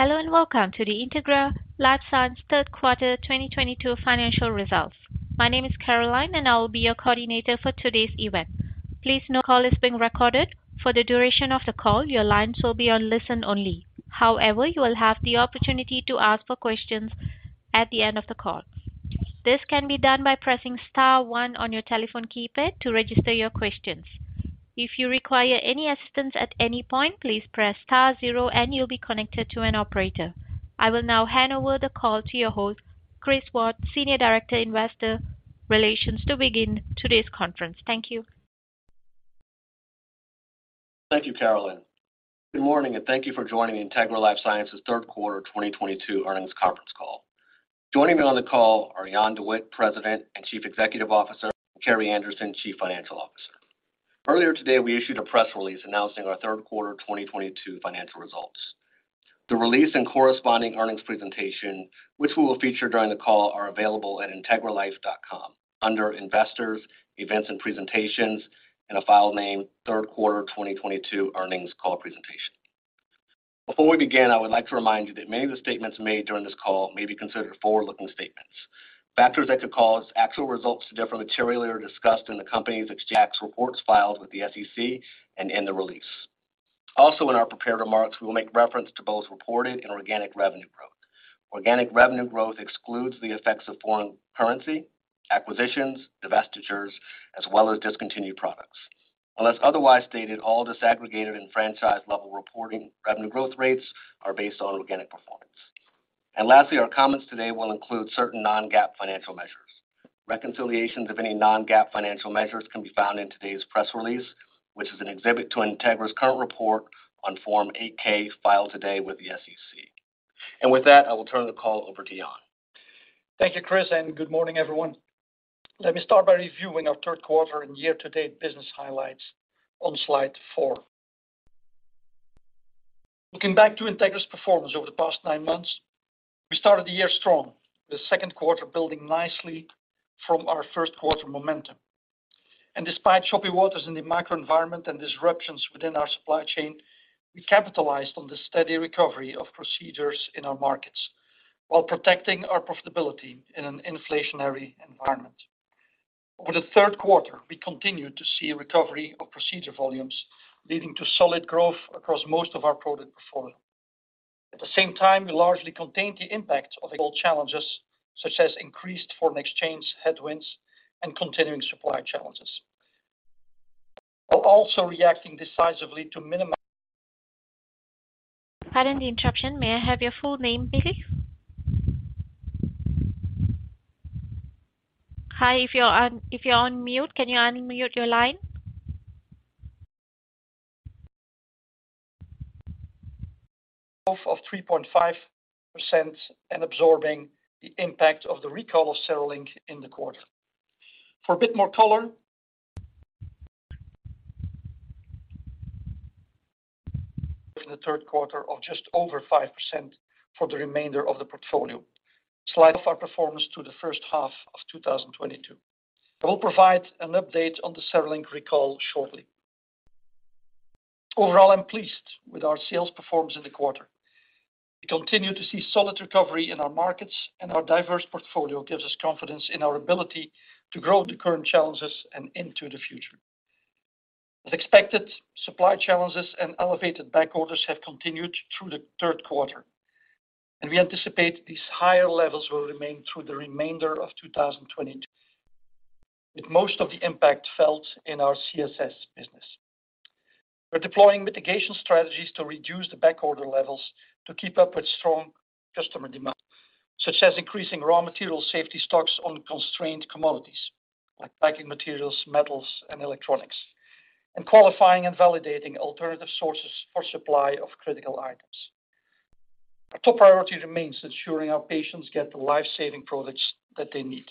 Hello and welcome to the Integra LifeSciences Third Quarter 2022 Financial Results. My name is Caroline, and I will be your coordinator for today's event. Please note call is being recorded. For the duration of the call, your lines will be on listen-only. However, you will have the opportunity to ask for questions at the end of the call. This can be done by pressing star one on your telephone keypad to register your questions. If you require any assistance at any point, please press star zero and you'll be connected to an operator. I will now hand over the call to your host, Chris Ward, Senior Director, Investor Relations, to begin today's conference. Thank you. Thank you, Caroline. Good morning, and thank you for joining Integra LifeSciences Third Quarter 2022 Earnings Conference Call. Joining me on the call are Jan De Witte, President and Chief Executive Officer, and Carrie Anderson, Chief Financial Officer. Earlier today, we issued a press release announcing our third quarter 2022 financial results. The release and corresponding earnings presentation, which we will feature during the call, are available at integralife.com under Investors, Events and Presentations in a file named Third Quarter 2022 Earnings Call Presentation. Before we begin, I would like to remind you that many of the statements made during this call may be considered forward-looking statements. Factors that could cause actual results to differ materially are discussed in the company's Exchange Act reports filed with the SEC and in the release. Also, in our prepared remarks, we will make reference to both reported and organic revenue growth. Organic revenue growth excludes the effects of foreign currency, acquisitions, divestitures, as well as discontinued products. Unless otherwise stated, all disaggregated and franchise-level reporting revenue growth rates are based on organic performance. Lastly, our comments today will include certain non-GAAP financial measures. Reconciliations of any non-GAAP financial measures can be found in today's press release, which is an exhibit to Integra's current report on Form 8-K filed today with the SEC. With that, I will turn the call over to Jan. Thank you, Chris, and good morning, everyone. Let me start by reviewing our third quarter and year-to-date business highlights on slide four. Looking back to Integra's performance over the past nine months, we started the year strong, with the second quarter building nicely from our first quarter momentum. Despite choppy waters in the microenvironment and disruptions within our supply chain, we capitalized on the steady recovery of procedures in our markets while protecting our profitability in an inflationary environment. Over the third quarter, we continued to see a recovery of procedure volumes leading to solid growth across most of our product portfolio. At the same time, we largely contained the impact of the challenges, such as increased foreign exchange headwinds and continuing supply challenges. While also reacting decisively to minimize. Growth of 3.5% and absorbing the impact of the recall of CereLink in the quarter. For a bit more color in the third quarter of just over 5% for the remainder of the portfolio. Solid performance in the first half of 2022. I will provide an update on the CereLink recall shortly. Overall, I'm pleased with our sales performance in the quarter. We continue to see solid recovery in our markets, and our diverse portfolio gives us confidence in our ability to grow through the current challenges and into the future. As expected, supply challenges and elevated backorders have continued through the third quarter, and we anticipate these higher levels will remain through the remainder of 2022, with most of the impact felt in our CSS business. We're deploying mitigation strategies to reduce the backorder levels to keep up with strong customer demand, such as increasing raw material safety stocks on constrained commodities like packing materials, metals, and electronics, and qualifying and validating alternative sources for supply of critical items. Our top priority remains ensuring our patients get the life-saving products that they need.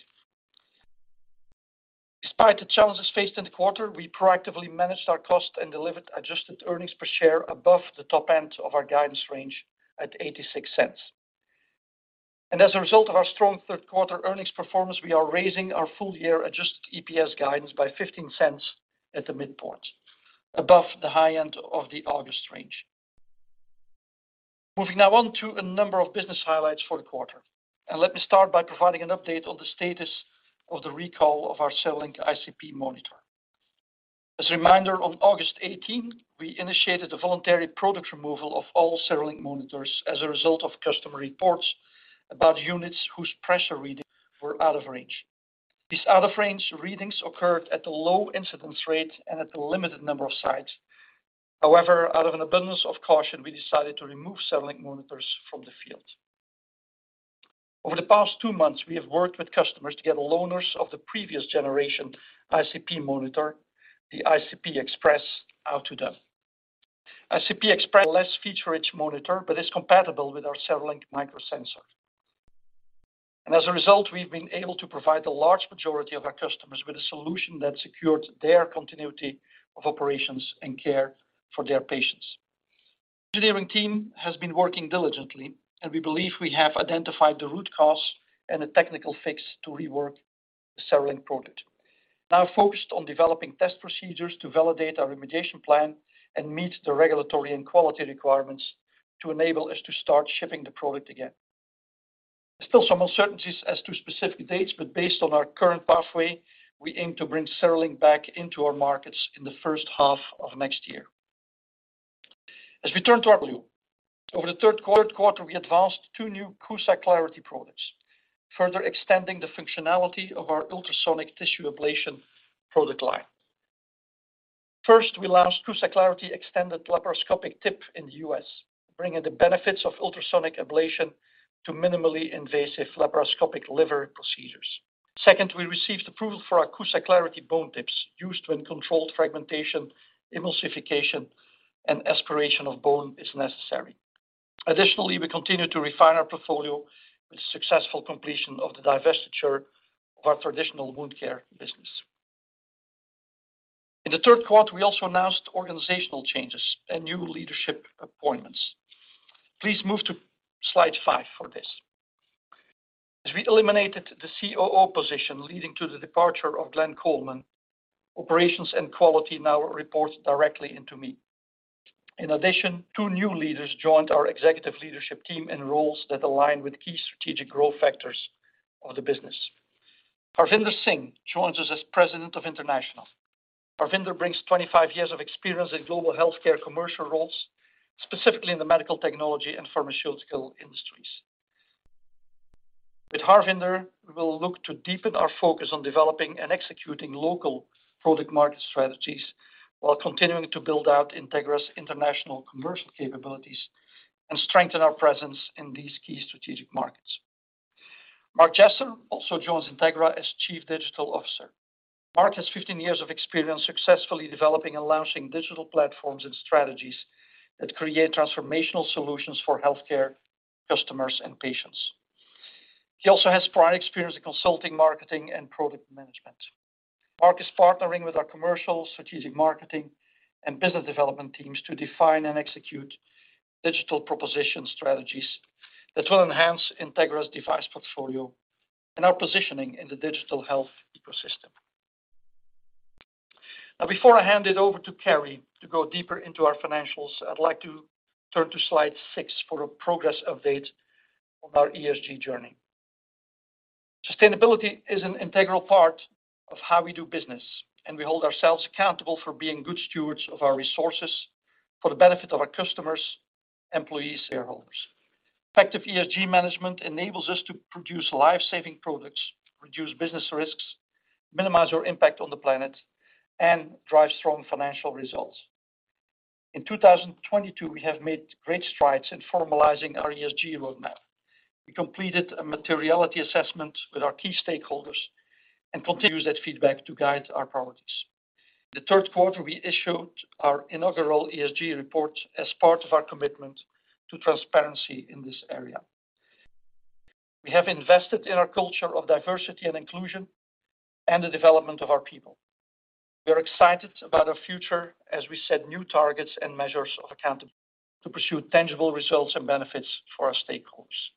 Despite the challenges faced in the quarter, we proactively managed our cost and delivered adjusted earnings per share above the top end of our guidance range at $0.86. As a result of our strong third-quarter earnings performance, we are raising our full-year adjusted EPS guidance by $0.15 at the midpoint, above the high end of the August range. Moving now on to a number of business highlights for the quarter. Let me start by providing an update on the status of the recall of our CereLink ICP monitor. As a reminder, on August 18, we initiated a voluntary product removal of all CereLink monitors as a result of customer reports about units whose pressure readings were out of range. These out-of-range readings occurred at a low incidence rate and at a limited number of sites. However, out of an abundance of caution, we decided to remove CereLink monitors from the field. Over the past two months, we have worked with customers to get loaners of the previous generation ICP monitor, the ICP Express, out to them. ICP Express, a less feature-rich monitor, but is compatible with our CereLink microsensor. As a result, we've been able to provide the large majority of our customers with a solution that secured their continuity of operations and care for their patients. Engineering team has been working diligently, and we believe we have identified the root cause and a technical fix to rework the CereLink product. Now focused on developing test procedures to validate our remediation plan and meet the regulatory and quality requirements to enable us to start shipping the product again. There's still some uncertainties as to specific dates, but based on our current pathway, we aim to bring CereLink back into our markets in the first half of next year. As we turn to our Q3. Over the third quarter, we advanced two new CUSA Clarity products, further extending the functionality of our ultrasonic tissue ablation product line. First, we launched CUSA Clarity extended laparoscopic tip in the U.S., bringing the benefits of ultrasonic ablation to minimally invasive laparoscopic liver procedures. Second, we received approval for our CUSA Clarity bone tips used when controlled fragmentation, emulsification, and aspiration of bone is necessary. Additionally, we continue to refine our portfolio with successful completion of the divestiture of our traditional wound care business. In the third quarter, we also announced organizational changes and new leadership appointments. Please move to slide five for this. As we eliminated the COO position leading to the departure of Glenn Coleman, operations and quality now reports directly into me. In addition, two new leaders joined our executive leadership team in roles that align with key strategic growth factors of the business. Harvinder Singh joins us as President of International. Harvinder brings 25 years of experience in global healthcare commercial roles, specifically in the medical technology and pharmaceutical industries. With Harvinder, we will look to deepen our focus on developing and executing local product market strategies while continuing to build out Integra's international commercial capabilities and strengthen our presence in these key strategic markets. Mark Jesser also joins Integra as Chief Digital Officer. Mark has 15 years of experience successfully developing and launching digital platforms and strategies that create transformational solutions for healthcare customers and patients. He also has prior experience in consulting, marketing, and product management. Mark is partnering with our commercial, strategic marketing, and business development teams to define and execute digital proposition strategies that will enhance Integra's device portfolio and our positioning in the digital health ecosystem. Now before I hand it over to Carrie to go deeper into our financials, I'd like to turn to slide six for a progress update on our ESG journey. Sustainability is an integral part of how we do business, and we hold ourselves accountable for being good stewards of our resources for the benefit of our customers, employees, shareholders. Effective ESG management enables us to produce life-saving products, reduce business risks, minimize our impact on the planet, and drive strong financial results. In 2022, we have made great strides in formalizing our ESG roadmap. We completed a materiality assessment with our key stakeholders and continue to use that feedback to guide our priorities. In the third quarter, we issued our inaugural ESG report as part of our commitment to transparency in this area. We have invested in our culture of diversity and inclusion and the development of our people. We are excited about our future as we set new targets and measures of accountability to pursue tangible results and benefits for our stakeholders.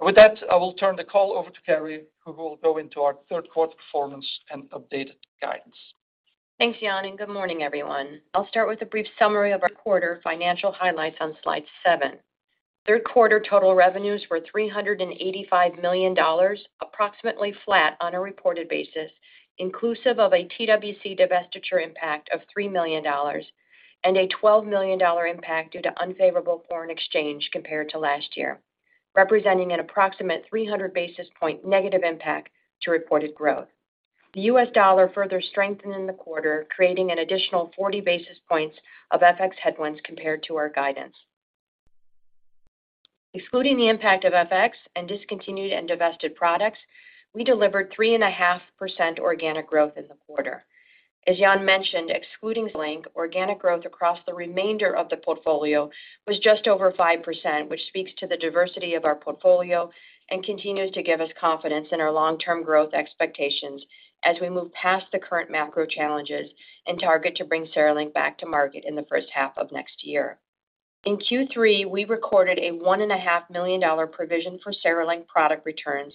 With that, I will turn the call over to Carrie, who will go into our third quarter performance and updated guidance. Thanks, Jan, and good morning, everyone. I'll start with a brief summary of our quarter financial highlights on slide seven. Third quarter total revenues were $385 million, approximately flat on a reported basis, inclusive of a TWC divestiture impact of $3 million and a $12 million impact due to unfavorable foreign exchange compared to last year, representing an approximate 300 basis point negative impact to reported growth. The US dollar further strengthened in the quarter, creating an additional 40 basis points of FX headwinds compared to our guidance. Excluding the impact of FX and discontinued and divested products, we delivered 3.5% organic growth in the quarter. As Jan mentioned, excluding CereLink, organic growth across the remainder of the portfolio was just over 5%, which speaks to the diversity of our portfolio and continues to give us confidence in our long-term growth expectations as we move past the current macro challenges and target to bring CereLink back to market in the first half of next year. In Q3, we recorded a $1.5 million provision for CereLink product returns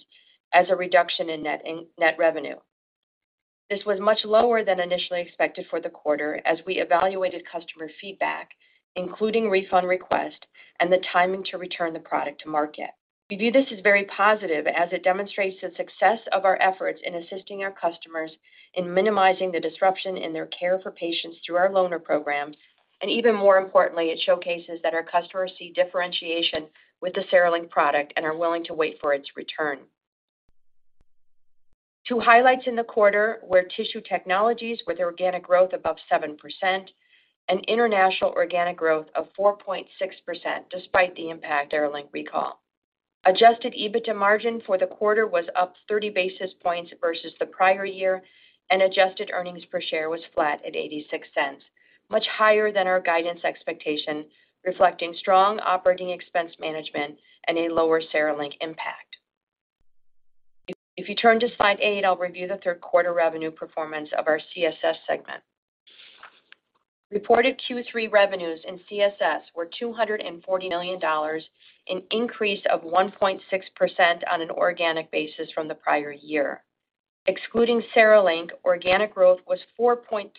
as a reduction in net revenue. This was much lower than initially expected for the quarter as we evaluated customer feedback, including refund requests and the timing to return the product to market. We view this as very positive as it demonstrates the success of our efforts in assisting our customers in minimizing the disruption in their care for patients through our loaner program, and even more importantly, it showcases that our customers see differentiation with the CereLink product and are willing to wait for its return. Two highlights in the quarter were Tissue Technologies with organic growth above 7% and International organic growth of 4.6% despite the impact CereLink recall. Adjusted EBITDA margin for the quarter was up 30 basis points versus the prior year, and adjusted earnings per share was flat at $0.86, much higher than our guidance expectation, reflecting strong operating expense management and a lower CereLink impact. If you turn to slide eight, I'll review the third quarter revenue performance of our CSS segment. Reported Q3 revenues in CSS were $240 million, an increase of 1.6% on an organic basis from the prior year. Excluding CereLink, organic growth was 4.3%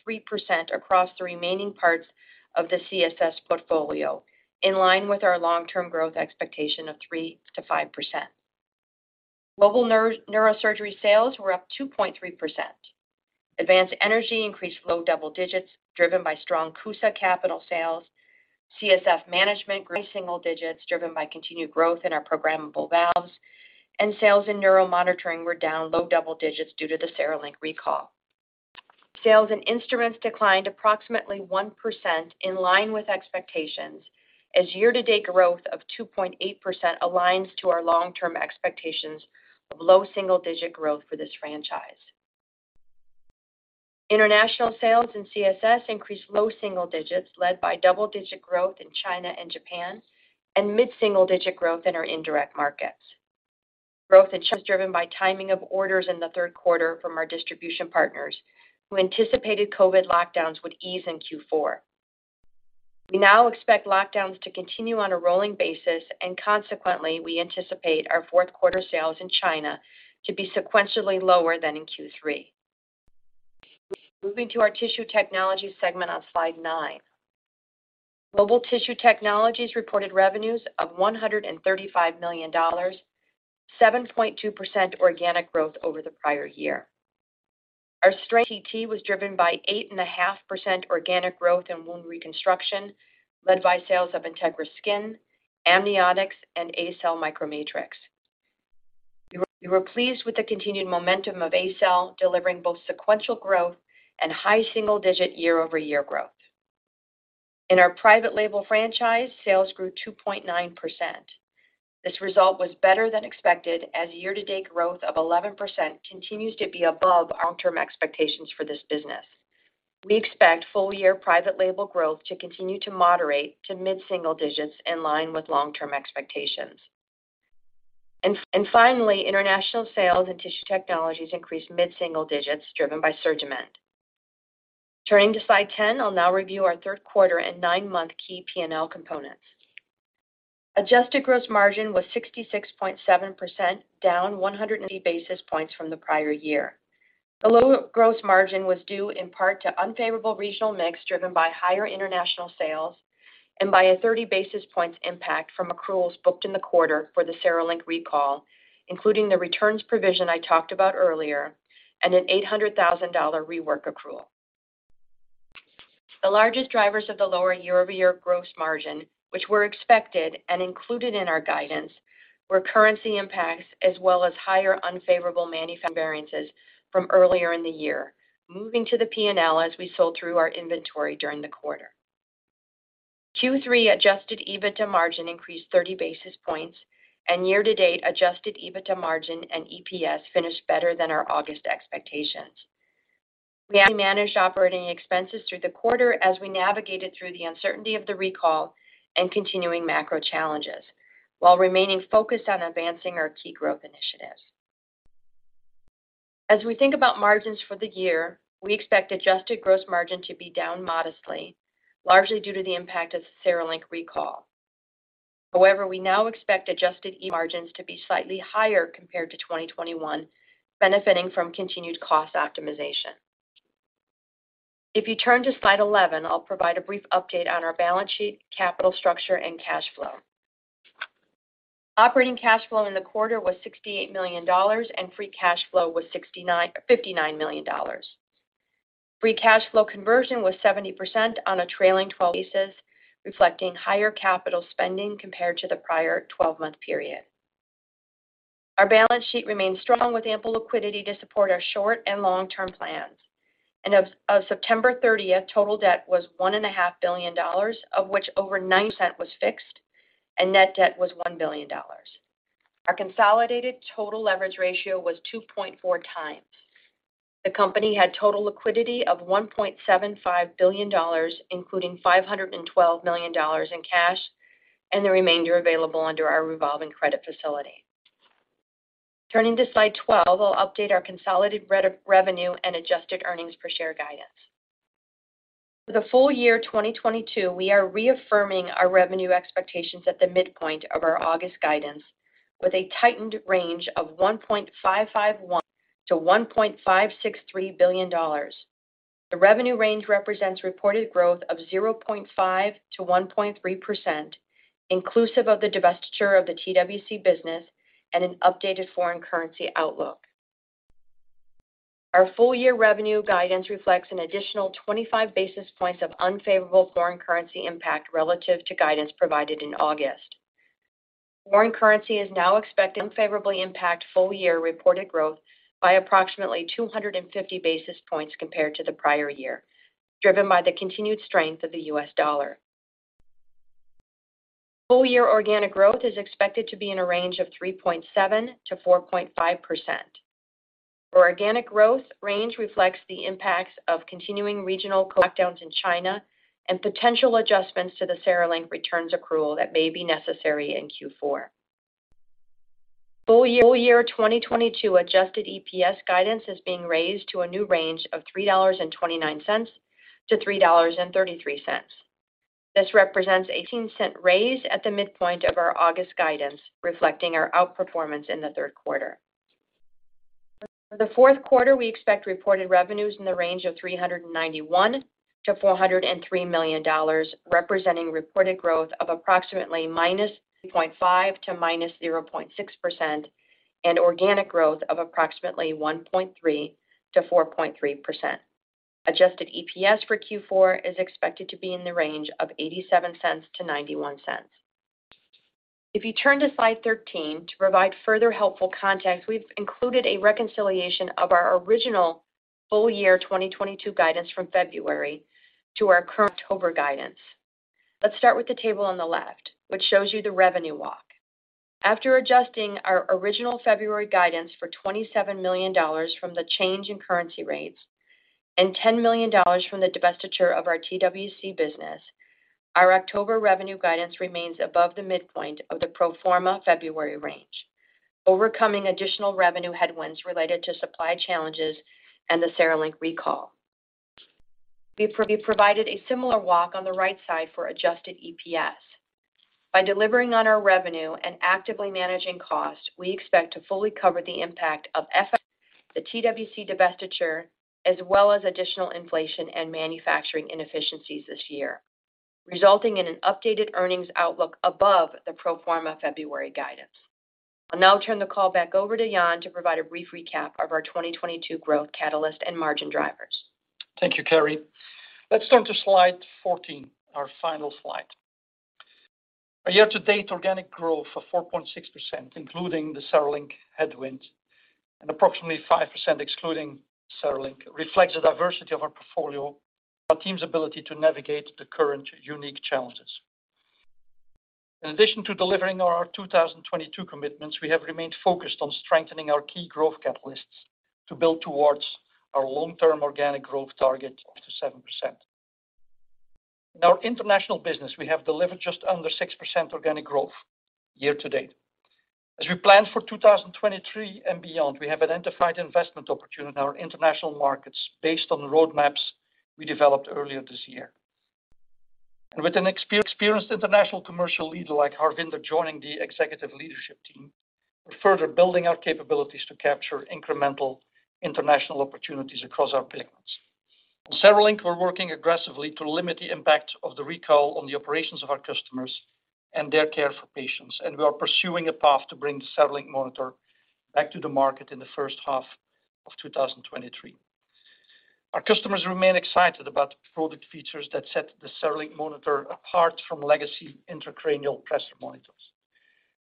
across the remaining parts of the CSS portfolio, in line with our long-term growth expectation of 3%-5%. Global neurosurgery sales were up 2.3%. Advanced energy increased low double digits, driven by strong CUSA capital sales. CSF management grew high single digits, driven by continued growth in our programmable valves. Sales in neuro monitoring were down low double digits due to the CereLink recall. Sales in instruments declined approximately 1% in line with expectations as year-to-date growth of 2.8% aligns to our long-term expectations of low single-digit growth for this franchise. International sales in CSS increased low single digits, led by double-digit growth in China and Japan and mid-single-digit growth in our indirect markets. Growth in China was driven by timing of orders in the third quarter from our distribution partners who anticipated COVID lockdowns would ease in Q4. We now expect lockdowns to continue on a rolling basis, and consequently, we anticipate our fourth quarter sales in China to be sequentially lower than in Q3. Moving to our Tissue Technologies segment on slide nine. Global Tissue Technologies reported revenues of $135 million, 7.2% organic growth over the prior year. Our strength in TT was driven by 8.5% organic growth in wound reconstruction, led by sales of Integra Skin, AmnioExcel, and ACell MicroMatrix. We were pleased with the continued momentum of ACell, delivering both sequential growth and high single-digit year-over-year growth. In our private label franchise, sales grew 2.9%. This result was better than expected as year-to-date growth of 11% continues to be above our long-term expectations for this business. We expect full-year private label growth to continue to moderate to mid-single digits in line with long-term expectations. Finally, international sales in tissue technologies increased mid-single digits, driven by SurgiMend. Turning to slide 10, I'll now review our third quarter and nine-month key P&L components. Adjusted gross margin was 66.7%, down 180 basis points from the prior year. The lower gross margin was due in part to unfavorable regional mix driven by higher international sales and by a 30 basis points impact from accruals booked in the quarter for the CereLink recall, including the returns provision I talked about earlier and an $800,000 rework accrual. The largest drivers of the lower year-over-year gross margin, which were expected and included in our guidance, were currency impacts as well as higher unfavorable manufacturing variances from earlier in the year, moving to the P&L as we sold through our inventory during the quarter. Q3 adjusted EBITDA margin increased 30 basis points, and year-to-date adjusted EBITDA margin and EPS finished better than our August expectations. We actively managed operating expenses through the quarter as we navigated through the uncertainty of the recall and continuing macro challenges while remaining focused on advancing our key growth initiatives. As we think about margins for the year, we expect adjusted gross margin to be down modestly, largely due to the impact of the CereLink recall. However, we now expect adjusted EBITDA margins to be slightly higher compared to 2021, benefiting from continued cost optimization. If you turn to slide 11, I'll provide a brief update on our balance sheet, capital structure, and cash flow. Operating cash flow in the quarter was $68 million, and free cash flow was $59 million. Free cash flow conversion was 70% on a trailing 12 basis points, reflecting higher capital spending compared to the prior 12-month period. Our balance sheet remains strong with ample liquidity to support our short and long-term plans. As of September thirtieth, total debt was $1.5 billion, of which over 90% was fixed, and net debt was $1 billion. Our consolidated total leverage ratio was 2.4x. The company had total liquidity of $1.75 billion, including $512 million in cash and the remainder available under our revolving credit facility. Turning to slide 12, I'll update our consolidated revenue and adjusted earnings per share guidance. For the full year 2022, we are reaffirming our revenue expectations at the midpoint of our August guidance with a tightened range of $1.551 billion-$1.563 billion. The revenue range represents reported growth of 0.5%-1.3%, inclusive of the divestiture of the TWC business and an updated foreign currency outlook. Our full year revenue guidance reflects an additional 25 basis points of unfavorable foreign currency impact relative to guidance provided in August. Foreign currency is now expected to unfavorably impact full year reported growth by approximately 250 basis points compared to the prior year, driven by the continued strength of the US dollar. Full year organic growth is expected to be in a range of 3.7%-4.5%. Our organic growth range reflects the impacts of continuing regional COVID-19 lockdowns in China and potential adjustments to the CereLink returns accrual that may be necessary in Q4. Full year 2022 adjusted EPS guidance is being raised to a new range of $3.29-$3.33. This represents $0.18 raise at the midpoint of our August guidance, reflecting our outperformance in the third quarter. For the fourth quarter, we expect reported revenues in the range of $391 million-$403 million, representing reported growth of approximately -0.5% to -0.6% and organic growth of approximately 1.3%-4.3%. Adjusted EPS for Q4 is expected to be in the range of $0.87-$0.91. If you turn to slide 13 to provide further helpful context, we've included a reconciliation of our original full year 2022 guidance from February to our current October guidance. Let's start with the table on the left, which shows you the revenue walk. After adjusting our original February guidance for $27 million from the change in currency rates and $10 million from the divestiture of our TWC business, our October revenue guidance remains above the midpoint of the pro forma February range, overcoming additional revenue headwinds related to supply challenges and the CereLink recall. We've provided a similar walk on the right side for adjusted EPS. By delivering on our revenue and actively managing costs, we expect to fully cover the impact of FX, the TWC divestiture, as well as additional inflation and manufacturing inefficiencies this year, resulting in an updated earnings outlook above the pro forma February guidance. I'll now turn the call back over to Jan to provide a brief recap of our 2022 growth catalyst and margin drivers. Thank you, Carrie. Let's turn to slide 14, our final slide. Our year-to-date organic growth of 4.6%, including the CereLink headwind, and approximately 5% excluding CereLink, reflects the diversity of our portfolio and our team's ability to navigate the current unique challenges. In addition to delivering on our 2022 commitments, we have remained focused on strengthening our key growth catalysts to build towards our long-term organic growth target of 7%. In our international business, we have delivered just under 6% organic growth year-to-date. As we plan for 2023 and beyond, we have identified investment opportunity in our international markets based on the roadmaps we developed earlier this year. With an experienced international commercial leader like Harvinder joining the executive leadership team, we're further building our capabilities to capture incremental international opportunities across our segments. On CereLink, we're working aggressively to limit the impact of the recall on the operations of our customers and their care for patients. We are pursuing a path to bring the CereLink monitor back to the market in the first half of 2023. Our customers remain excited about the product features that set the CereLink monitor apart from legacy intracranial pressure monitors.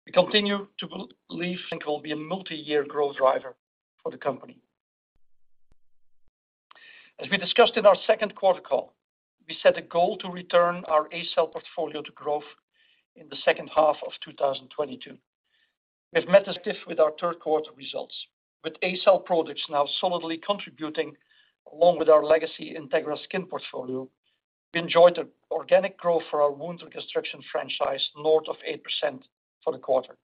We continue to believe CereLink will be a multi-year growth driver for the company. As we discussed in our second quarter call, we set a goal to return our ACell portfolio to growth in the second half of 2022. We have met this with our third quarter results. With ACell products now solidly contributing along with our legacy Integra Skin portfolio, we enjoyed organic growth for our wound reconstruction franchise north of 8% for the quarter.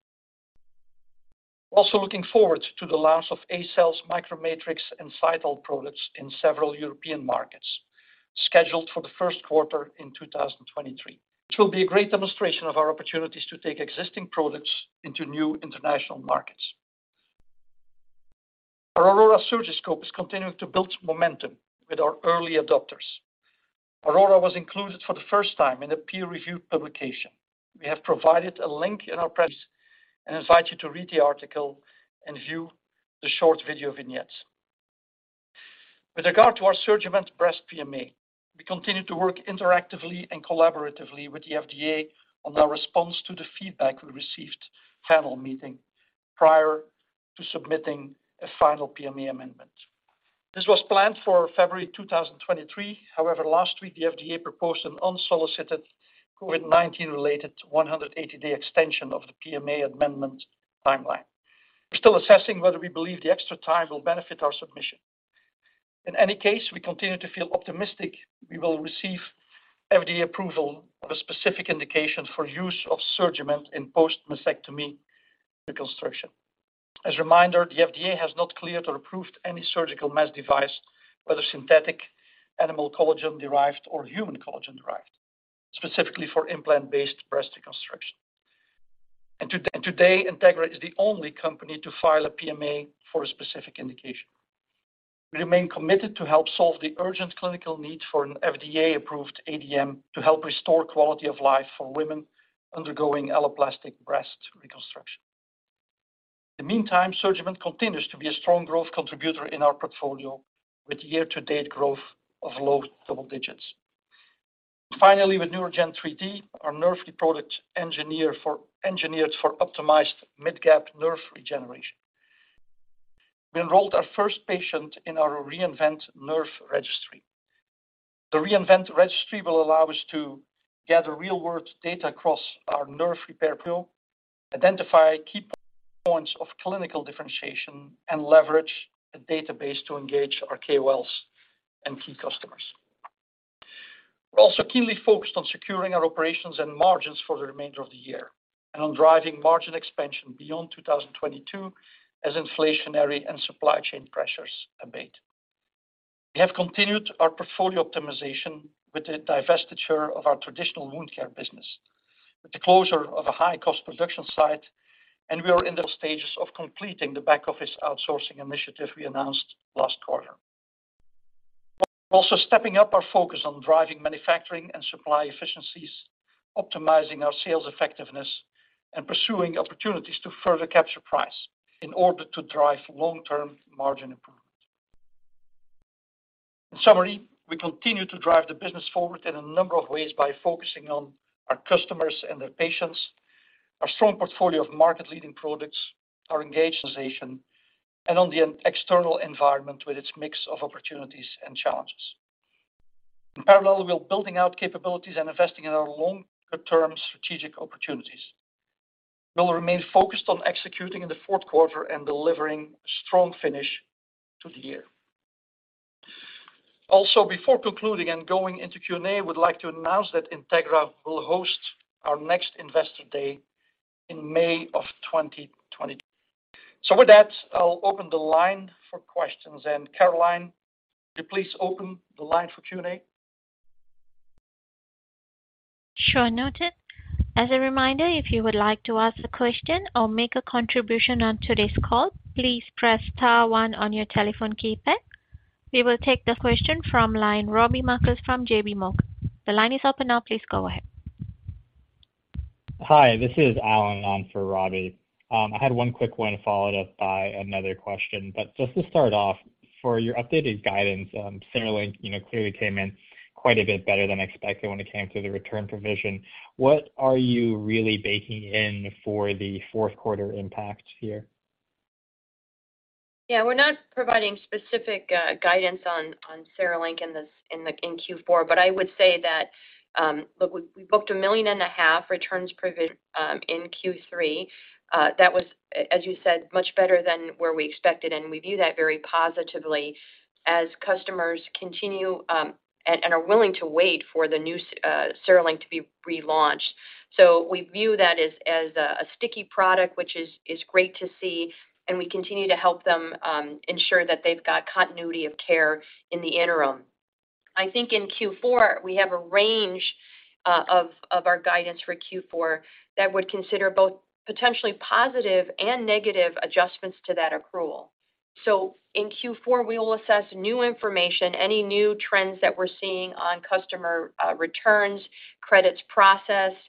We're also looking forward to the launch of ACell's MicroMatrix and Cytal products in several European markets scheduled for the first quarter of 2023, which will be a great demonstration of our opportunities to take existing products into new international markets. Our Aurora Surgiscope is continuing to build momentum with our early adopters. Aurora was included for the first time in a peer-reviewed publication. We have provided a link in our press release and invite you to read the article and view the short video vignettes. With regard to our SurgiMend breast PMA, we continue to work interactively and collaboratively with the FDA on our response to the feedback we received panel meeting prior to submitting a final PMA amendment. This was planned for February 2023. However, last week, the FDA proposed an unsolicited COVID-19 related 180-day extension of the PMA amendment timeline. We're still assessing whether we believe the extra time will benefit our submission. In any case, we continue to feel optimistic we will receive FDA approval of a specific indication for use of SurgiMend in post-mastectomy reconstruction. As a reminder, the FDA has not cleared or approved any surgical mesh device, whether synthetic, animal collagen derived, or human collagen derived, specifically for implant-based breast reconstruction. Today, Integra is the only company to file a PMA for a specific indication. We remain committed to help solve the urgent clinical need for an FDA-approved ADM to help restore quality of life for women undergoing alloplastic breast reconstruction. In the meantime, SurgiMend continues to be a strong growth contributor in our portfolio with year-to-date growth of low double digits. Finally, with NeuraGen 3D, our nerve repair product engineered for optimized mid-gap nerve regeneration, we enrolled our first patient in our re. INVENT Nerve Registry. The re. INVENT Registry will allow us to gather real-world data across our nerve repair portfolio, identify key points of clinical differentiation, and leverage the database to engage our KOLs and key customers. We're also keenly focused on securing our operations and margins for the remainder of the year and on driving margin expansion beyond 2022 as inflationary and supply chain pressures abate. We have continued our portfolio optimization with the divestiture of our traditional wound care business, with the closure of a high-cost production site, and we are in the stages of completing the back-office outsourcing initiative we announced last quarter. We're also stepping up our focus on driving manufacturing and supply efficiencies, optimizing our sales effectiveness, and pursuing opportunities to further capture price in order to drive long-term margin improvement. In summary, we continue to drive the business forward in a number of ways by focusing on our customers and their patients, our strong portfolio of market-leading products, our engaged organization, and on the external environment with its mix of opportunities and challenges. In parallel, we're building out capabilities and investing in our longer-term strategic opportunities. We'll remain focused on executing in the fourth quarter and delivering a strong finish to the year. Also, before concluding and going into Q&A, we'd like to announce that Integra will host our next Investor Day in May of 2022. With that, I'll open the line for questions. Caroline, could you please open the line for Q&A? Sure. Noted. As a reminder, if you would like to ask a question or make a contribution on today's call, please press star one on your telephone keypad. We will take the question from line Robbie Marcus from JPMorgan. The line is open now. Please go ahead. Hi, this is Alan on for Robbie. I had one quick one followed up by another question. Just to start off, for your updated guidance, CereLink, you know, clearly came in quite a bit better than expected when it came to the return provision. What are you really baking in for the fourth quarter impact here? Yeah. We're not providing specific guidance on CereLink in Q4. I would say that we booked $1.5 million returns provision in Q3. That was, as you said, much better than where we expected, and we view that very positively as customers continue and are willing to wait for the new CereLink to be relaunched. We view that as a sticky product, which is great to see, and we continue to help them ensure that they've got continuity of care in the interim. I think in Q4 we have a range of our guidance for Q4 that would consider both potentially positive and negative adjustments to that accrual. In Q4, we will assess new information, any new trends that we're seeing on customer returns, credits processed.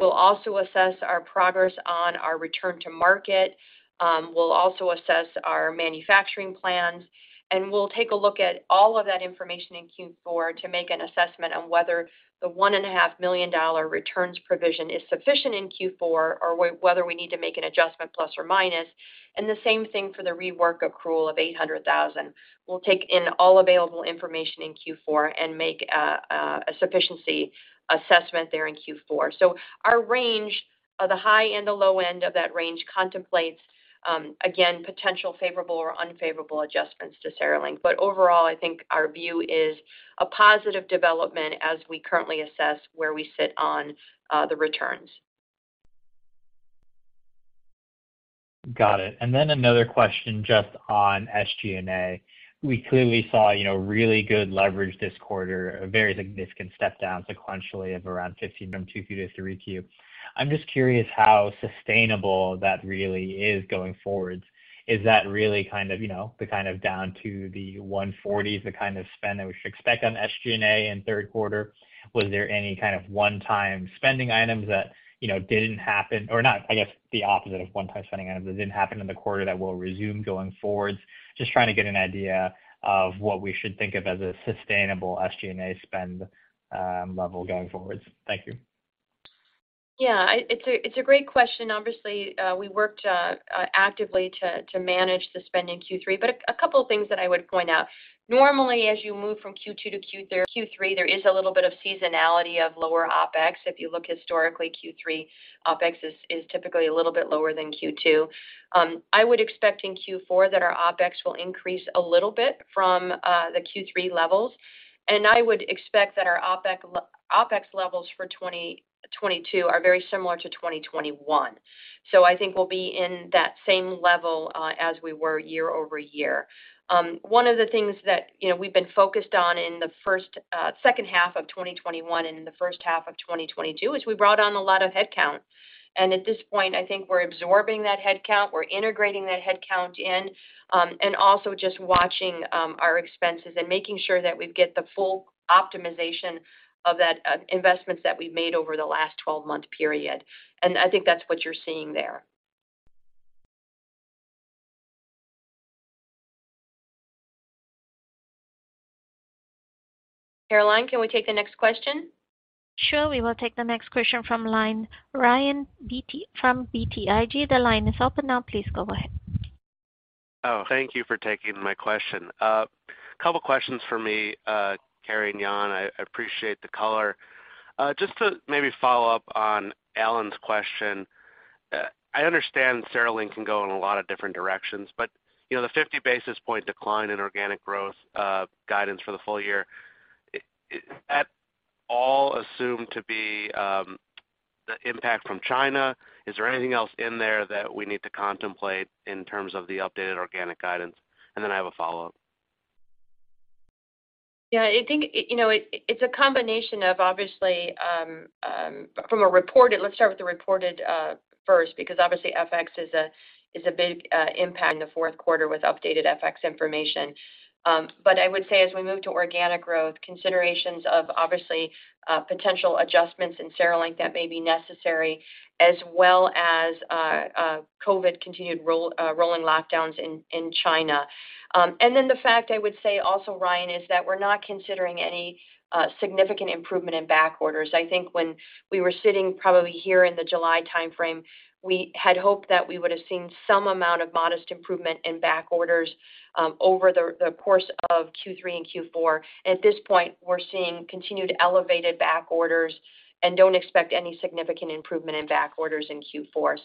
We'll also assess our progress on our return to market. We'll also assess our manufacturing plans, and we'll take a look at all of that information in Q4 to make an assessment on whether the $1.5 million returns provision is sufficient in Q4 or whether we need to make an adjustment plus or minus, and the same thing for the rework accrual of $800,000. We'll take in all available information in Q4 and make a sufficiency assessment there in Q4. Our range of the high and the low end of that range contemplates, again, potential favorable or unfavorable adjustments to CereLink. Overall, I think our view is a positive development as we currently assess where we sit on the returns. Got it. Another question just on SG&A. We clearly saw, you know, really good leverage this quarter, a very significant step down sequentially of around $50 from Q2 to Q3. I'm just curious how sustainable that really is going forward. Is that really kind of, you know, the kind of down to the $140s, the kind of spend that we should expect on SG&A in third quarter? Was there any kind of one-time spending items that, you know, didn't happen or not, I guess, the opposite of one-time spending items that didn't happen in the quarter that will resume going forward? Just trying to get an idea of what we should think of as a sustainable SG&A spend level going forward. Thank you. Yeah. It's a great question. Obviously, we worked actively to manage the spend in Q3. A couple of things that I would point out. Normally, as you move from Q2 to Q3, there is a little bit of seasonality of lower OpEx. If you look historically, Q3 OpEx is typically a little bit lower than Q2. I would expect in Q4 that our OpEx will increase a little bit from the Q3 levels. I would expect that our OpEx levels for 2022 are very similar to 2021. I think we'll be in that same level as we were year-over-year. One of the things that, you know, we've been focused on in the second half of 2021 and in the first half of 2022 is we brought on a lot of headcount. At this point, I think we're absorbing that headcount, we're integrating that headcount in, and also just watching our expenses and making sure that we get the full optimization of that investments that we've made over the last 12-month period. I think that's what you're seeing there. Caroline, can we take the next question? Sure. We will take the next question from Ryan Zimmerman from BTIG. The line is open now. Please go ahead. Oh, thank you for taking my question. Couple questions for me, Carrie and Jan. I appreciate the color. Just to maybe follow up on Alan's question. I understand CereLink can go in a lot of different directions, but, you know, the 50 basis point decline in organic growth guidance for the full year, is that all assumed to be the impact from China? Is there anything else in there that we need to contemplate in terms of the updated organic guidance? Then I have a follow-up. I think, you know, it's a combination of obviously. Let's start with the reported first, because obviously FX is a big impact in the fourth quarter with updated FX information. I would say as we move to organic growth, considerations of obviously potential adjustments in CereLink that may be necessary, as well as COVID continued rolling lockdowns in China. Then the fact I would say also, Ryan, is that we're not considering any significant improvement in back orders. I think when we were sitting probably here in the July timeframe, we had hoped that we would have seen some amount of modest improvement in back orders over the course of Q3 and Q4. At this point, we're seeing continued elevated back orders and don't expect any significant improvement in back orders in Q4.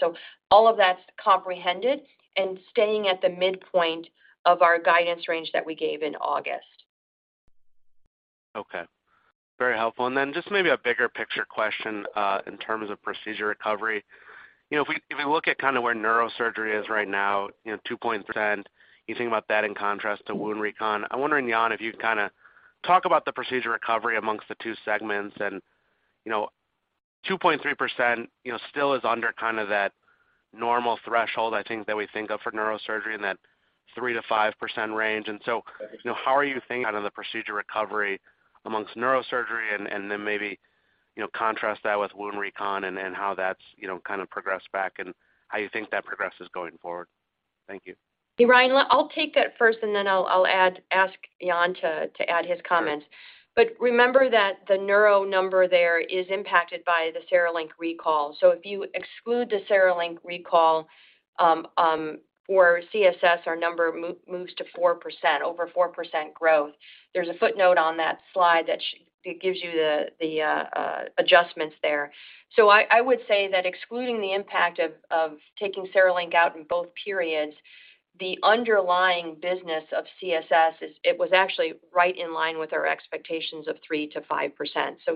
All of that's comprehended and staying at the midpoint of our guidance range that we gave in August. Okay. Very helpful. Just maybe a bigger picture question in terms of procedure recovery. You know, if we look at kind of where neurosurgery is right now, you know, 2%, you think about that in contrast to wound recon. I'm wondering, Jan, if you'd kinda talk about the procedure recovery amongst the two segments and, you know, 2.3%, you know, still is under kind of that normal threshold, I think that we think of for neurosurgery in that 3%-5% range. You know, how are you thinking about the procedure recovery amongst neurosurgery and then maybe, you know, contrast that with wound recon and how that's, you know, kind of progressed back and how you think that progresses going forward. Thank you. Ryan, I'll take that first, and then I'll ask Jan to add his comments. Remember that the neuro number there is impacted by the CereLink recall. If you exclude the CereLink recall, for CSS, our number moves to 4%, over 4% growth. There's a footnote on that slide that gives you the adjustments there. I would say that excluding the impact of taking CereLink out in both periods, the underlying business of CSS is. It was actually right in line with our expectations of 3%-5%.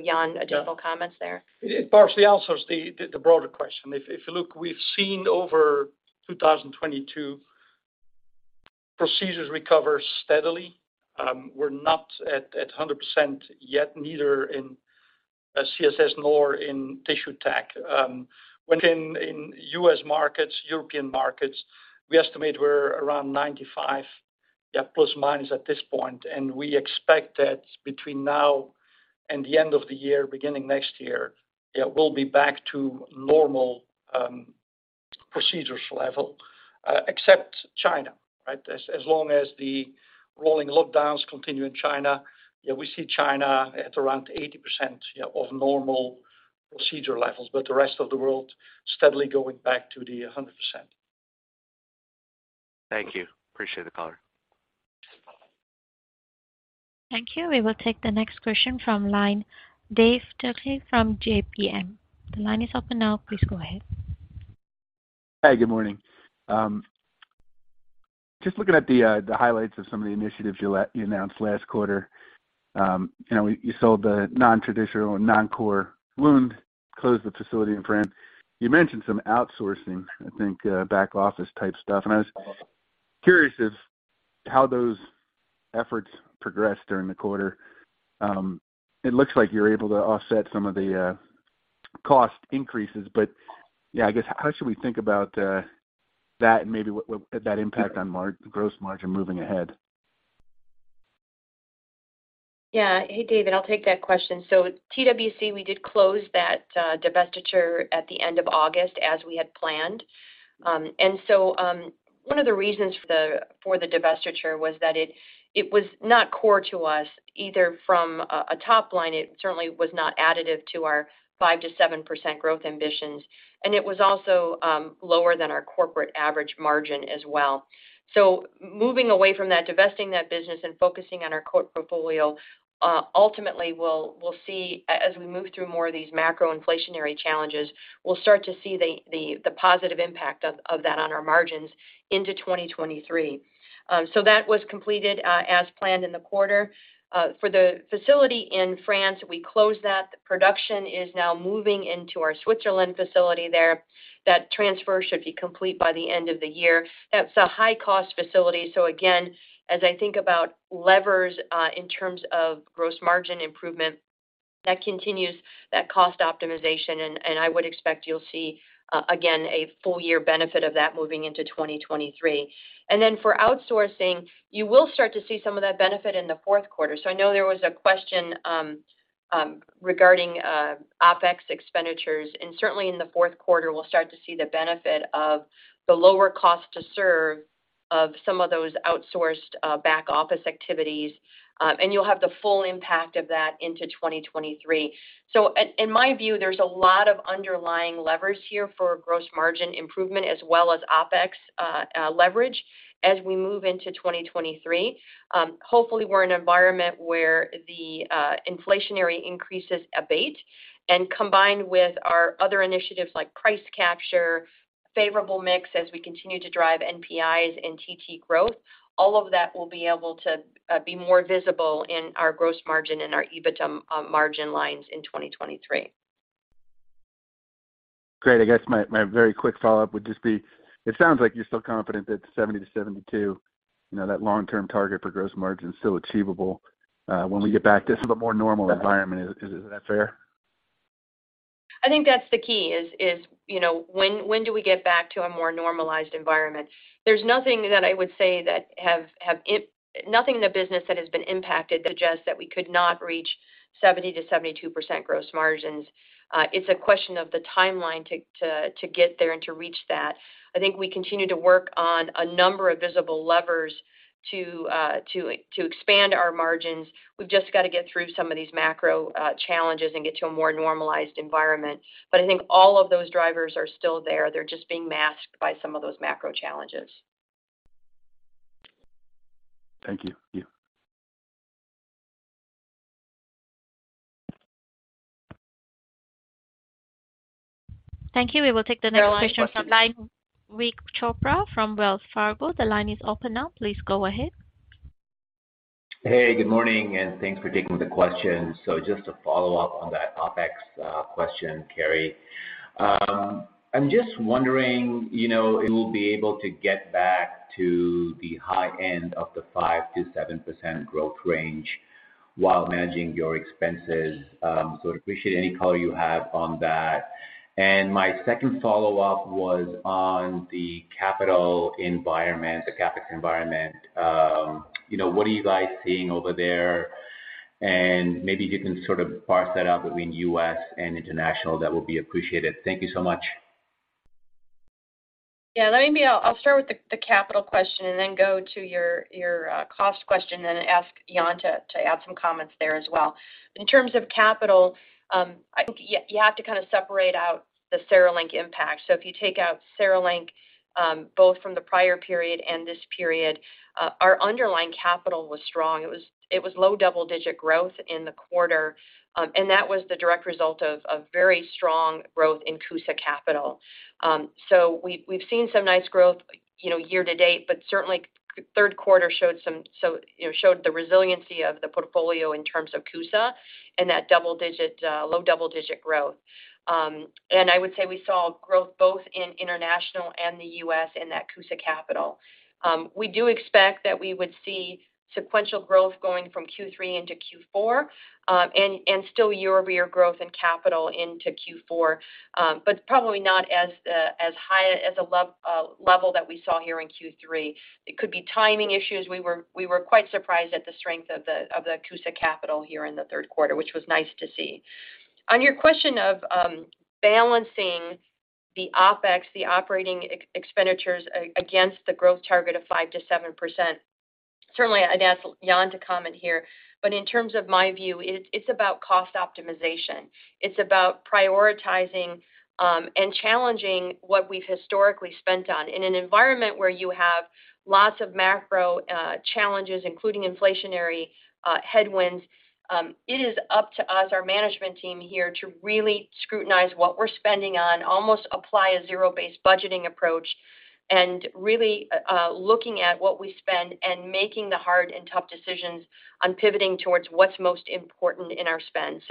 Jan, additional comments there? It partially answers the broader question. If you look, we've seen over 2022 procedures recover steadily. We're not at 100% yet, neither in CSS nor in Tissue Tech. When in US markets, European markets, we estimate we're around 95%, plus minus at this point. We expect that between now and the end of the year, beginning next year, we'll be back to normal procedures level, except China, right? As long as the rolling lockdowns continue in China, we see China at around 80% of normal procedure levels, but the rest of the world steadily going back to the 100%. Thank you. Appreciate the color. Thank you. We will take the next question from line, Dave Turkaly from JMP. The line is open now. Please go ahead. Hi, good morning. Just looking at the highlights of some of the initiatives you announced last quarter. You know, you sold the nontraditional or non-core wound, closed the facility in France. You mentioned some outsourcing, I think, back office type stuff. I was curious how those efforts progressed during the quarter. It looks like you're able to offset some of the cost increases. Yeah, I guess how should we think about that and maybe what would that impact on our gross margin moving ahead? Yeah. Hey, Dave, I'll take that question. TWC, we did close that divestiture at the end of August as we had planned. One of the reasons for the divestiture was that it was not core to us, either from a top line, it certainly was not additive to our 5%-7% growth ambitions. It was also lower than our corporate average margin as well. Moving away from that, divesting that business and focusing on our core portfolio, ultimately, we'll see as we move through more of these macro inflationary challenges, we'll start to see the positive impact of that on our margins into 2023. That was completed as planned in the quarter. For the facility in France, we closed that. The production is now moving into our Switzerland facility there. That transfer should be complete by the end of the year. That's a high-cost facility. Again, as I think about levers in terms of gross margin improvement, that continues that cost optimization. I would expect you'll see again a full year benefit of that moving into 2023. For outsourcing, you will start to see some of that benefit in the fourth quarter. I know there was a question regarding OpEx expenditures. Certainly, in the fourth quarter, we'll start to see the benefit of the lower cost to serve of some of those outsourced back-office activities, and you'll have the full impact of that into 2023. In my view, there's a lot of underlying levers here for gross margin improvement as well as OpEx leverage as we move into 2023. Hopefully, we're in an environment where the inflationary increases abate and combined with our other initiatives like price capture, favorable mix as we continue to drive NPIs and TT growth, all of that will be able to be more visible in our gross margin and our EBITDA margin lines in 2023. Great. I guess my very quick follow-up would just be, it sounds like you're still confident that 70%-72%, you know, that long-term target for gross margin is still achievable, when we get back to a bit more normal environment. Is that fair? I think that's the key is, you know, when do we get back to a more normalized environment? There's nothing that I would say that nothing in the business that has been impacted suggests that we could not reach 70%-72% gross margins. It's a question of the timeline to get there and to reach that. I think we continue to work on a number of visible levers to expand our margins. We've just got to get through some of these macro challenges and get to a more normalized environment. I think all of those drivers are still there. They're just being masked by some of those macro challenges. Thank you. Thank you. We will take the next question from line Vik Chopra from Wells Fargo. The line is open now. Please go ahead. Hey, good morning, and thanks for taking the question. Just to follow up on that OpEx question, Carrie. I'm just wondering, you know, if you'll be able to get back to the high end of the 5%-7% growth range while managing your expenses. I appreciate any color you have on that. My second follow-up was on the capital environment, the CapEx environment. You know, what are you guys seeing over there? Maybe if you can sort of parse that out between US and international, that would be appreciated. Thank you so much. Yeah, I'll start with the capital question and then go to your cost question then ask Jan to add some comments there as well. In terms of capital, I think you have to kind of separate out the CereLink impact. If you take out CereLink, both from the prior period and this period, our underlying capital was strong. It was low double-digit growth in the quarter, and that was the direct result of a very strong growth in CUSA capital. We've seen some nice growth, you know, year to date, but certainly third quarter showed the resiliency of the portfolio in terms of CUSA and that double-digit, low double-digit growth. I would say we saw growth both in international and the U.S. in that CUSA capital. We do expect that we would see sequential growth going from Q3 into Q4, and still year-over-year growth in capital into Q4, but probably not as high as a level that we saw here in Q3. It could be timing issues. We were quite surprised at the strength of the CUSA capital here in the third quarter, which was nice to see. On your question of balancing the OpEx, the operating expenditures against the growth target of 5%-7%. Certainly, I'd ask Jan to comment here, but in terms of my view, it's about cost optimization. It's about prioritizing and challenging what we've historically spent on. In an environment where you have lots of macro challenges, including inflationary headwinds, it is up to us, our management team here, to really scrutinize what we're spending on, almost apply a zero-based budgeting approach and really looking at what we spend and making the hard and tough decisions on pivoting towards what's most important in our spend.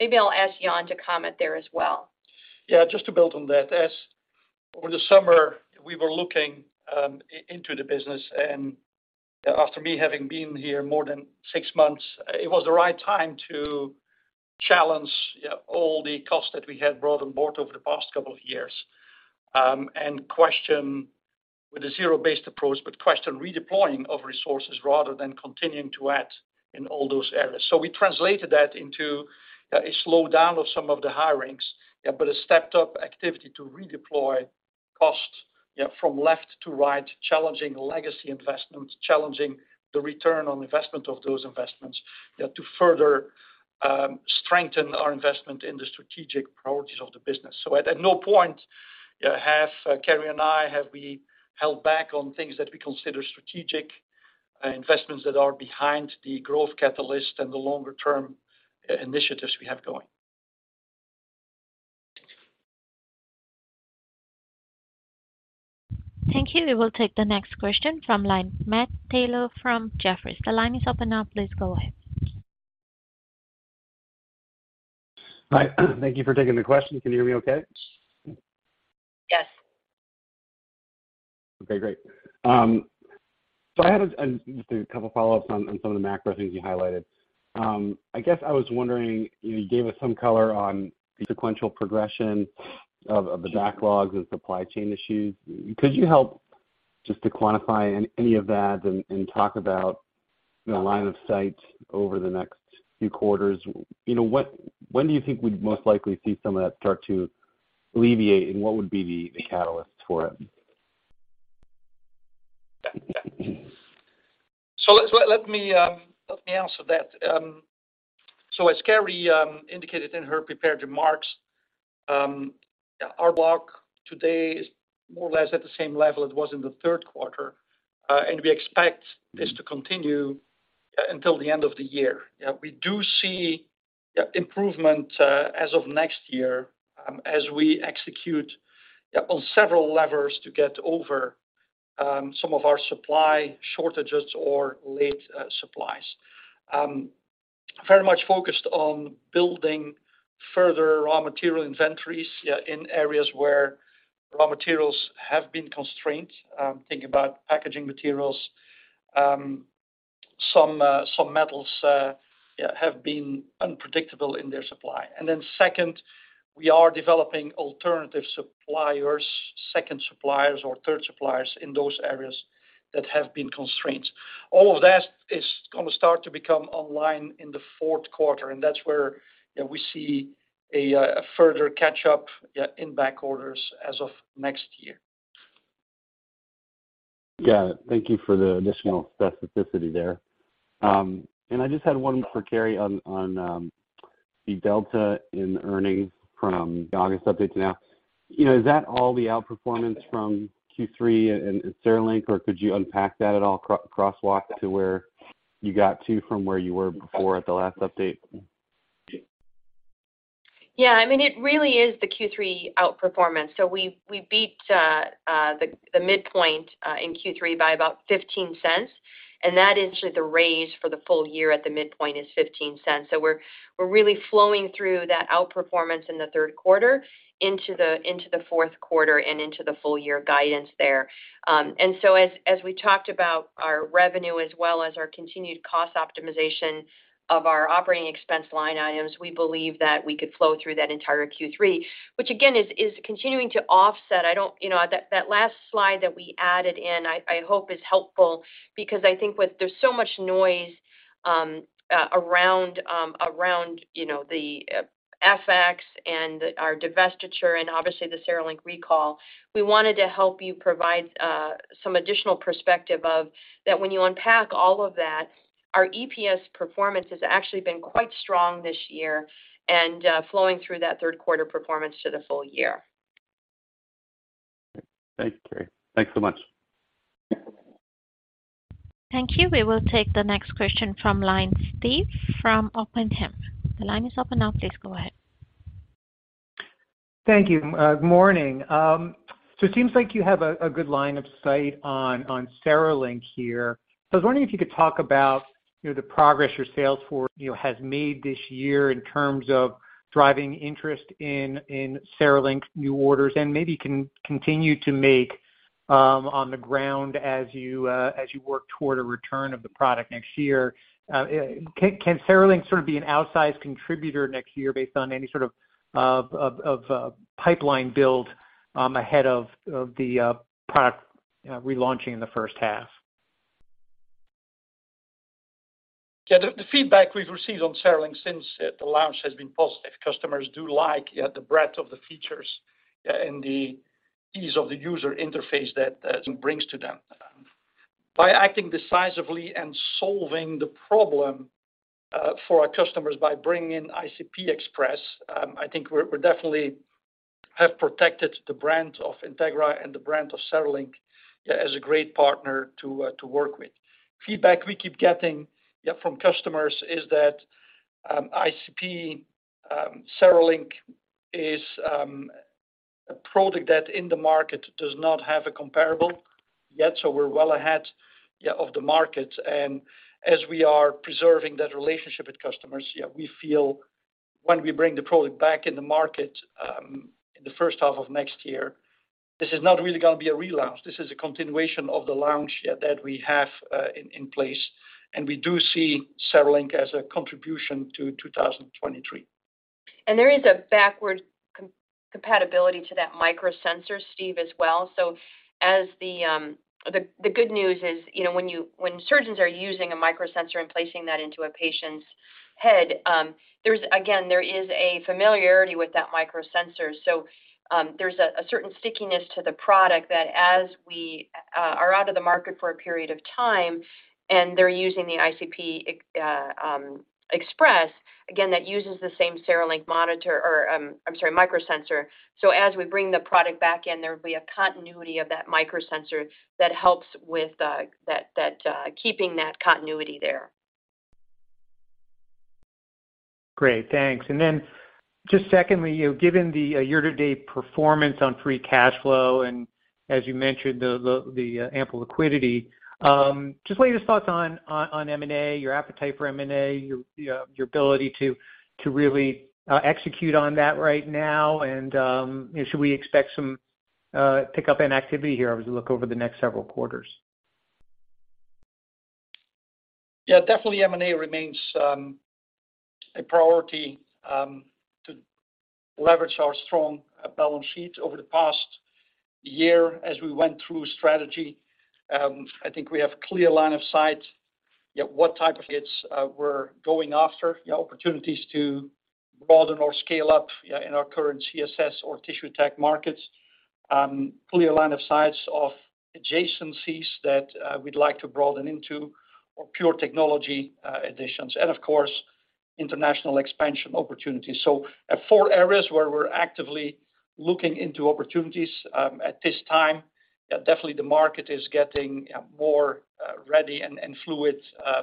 Maybe I'll ask Jan to comment there as well. Yeah, just to build on that. As over the summer, we were looking into the business, and after me having been here more than six months, it was the right time to challenge, you know, all the costs that we had brought on board over the past couple of years, and question with a zero-based approach, but question redeploying of resources rather than continuing to add in all those areas. We translated that into a slowdown of some of the hirings, yeah, but a stepped-up activity to redeploy costs, yeah, from left to right, challenging legacy investments, challenging the return on investment of those investments, yeah, to further strengthen our investment in the strategic priorities of the business. At no point, yeah, have Carrie and I held back on things that we consider strategic investments that are behind the growth catalyst and the longer-term initiatives we have going. Thank you. We will take the next question from line Matt Taylor from Jefferies. The line is open now. Please go ahead. Yes. Okay, great. I had just a couple follow-ups on some of the macro things you highlighted. I guess I was wondering, you gave us some color on the sequential progression of the backlogs and supply chain issues. Could you help just to quantify any of that and talk about In the line of sight over the next few quarters, you know, when do you think we'd most likely see some of that start to alleviate, and what would be the catalyst for it? Let me answer that. As Carrie indicated in her prepared remarks, our backlog today is more or less at the same level it was in the third quarter. We expect this to continue until the end of the year. We do see improvement as of next year as we execute on several levers to get over some of our supply shortages or late supplies. Very much focused on building further raw material inventories in areas where raw materials have been constrained. Think about packaging materials. Some metals have been unpredictable in their supply. Then second, we are developing alternative suppliers, second suppliers or third suppliers in those areas that have been constrained. All of that is gonna start to become online in the fourth quarter, and that's where, yeah, we see a further catch up, yeah, in back orders as of next year. Yeah. Thank you for the additional specificity there. I just had one for Carrie on the delta in earnings from the August update to now. You know, is that all the outperformance from Q3 and CereLink, or could you unpack that at all crosswalk to where you got to from where you were before at the last update? Yeah. I mean, it really is the Q3 outperformance. We beat the midpoint in Q3 by about $0.15, and that is the raise for the full year at the midpoint is $0.15. We're really flowing through that outperformance in the third quarter into the fourth quarter and into the full year guidance there. As we talked about our revenue as well as our continued cost optimization of our operating expense line items, we believe that we could flow through that entire Q3, which again is continuing to offset. You know, that last slide that we added in, I hope is helpful because I think there's so much noise around, you know, the FX and our divestiture and obviously the CereLink recall. We wanted to help you provide some additional perspective of that when you unpack all of that. Our EPS performance has actually been quite strong this year and flowing through that third quarter performance to the full year. Thanks, Carrie. Thanks so much. Thank you. We will take the next question from line, Steve from Oppenheimer. The line is open now. Please go ahead. Thank you. Morning. It seems like you have a good line of sight on CereLink here. I was wondering if you could talk about, you know, the progress your sales force, you know, has made this year in terms of driving interest in CereLink's new orders, and maybe can continue to make on the ground as you work toward a return of the product next year. Can CereLink sort of be an outsized contributor next year based on any sort of pipeline build ahead of the product relaunching in the first half? Yeah. The feedback we've received on CereLink since the launch has been positive. Customers do like, yeah, the breadth of the features, yeah, and the ease of the user interface that brings to them. By acting decisively and solving the problem for our customers by bringing ICP Express, I think we're definitely have protected the brand of Integra and the brand of CereLink, yeah, as a great partner to work with. Feedback we keep getting, yeah, from customers is that ICP CereLink is a product that in the market does not have a comparable yet, so we're well ahead, yeah, of the market. As we are preserving that relationship with customers, yeah, we feel when we bring the product back in the market in the first half of next year, this is not really gonna be a relaunch. This is a continuation of the launch, yeah, that we have in place, and we do see CereLink as a contribution to 2023. There is a backward compatibility to that microsensor, Steve, as well. As the good news is, you know, when surgeons are using a microsensor and placing that into a patient's head, there is a familiarity with that microsensor. There's a certain stickiness to the product that as we are out of the market for a period of time and they're using the ICP Express, again, that uses the same CereLink monitor or, I'm sorry, microsensor. As we bring the product back in, there will be a continuity of that microsensor that helps with that keeping that continuity there. Great. Thanks. Just secondly, you know, given the year to date performance on free cash flow and as you mentioned, the ample liquidity, just what are your thoughts on M&A, your appetite for M&A, your ability to really execute on that right now? Should we expect some pickup in activity here as we look over the next several quarters? Yeah, definitely M&A remains a priority to leverage our strong balance sheet over the past year as we went through strategy. I think we have clear line of sight what type of assets we're going after, you know, opportunities to broaden or scale up in our current CSS or tissue tech markets. Clear line of sight of adjacencies that we'd like to broaden into or pure technology additions and of course, international expansion opportunities. Four areas where we're actively looking into opportunities at this time. Definitely the market is getting more ready and fluid